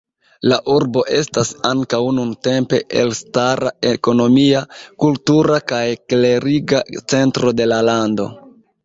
La urbo estas ankaŭ nuntempe elstara ekonomia, kultura kaj kleriga centro de la lando.